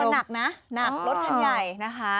รถมันหนักนะรถมันใหญ่นะคะ